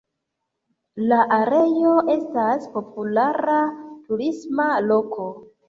La areo estas populara turisma loko.